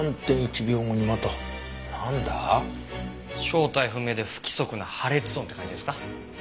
正体不明で不規則な破裂音って感じですか。